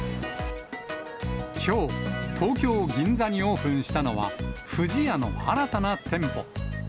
きょう、東京・銀座にオープンしたのは、不二家の新たな店舗。